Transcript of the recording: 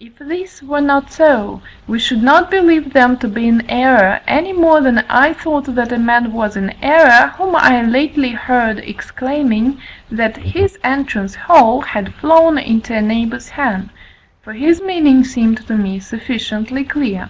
If this were not so, we should not believe them to be in error, any more than I thought that a man was in error, whom I lately heard exclaiming that his entrance hall had flown into a neighbour's hen, for his meaning seemed to me sufficiently clear.